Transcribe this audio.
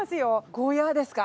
ゴーヤーですか？